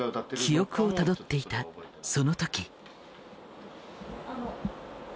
記憶をたどっていたそのとき。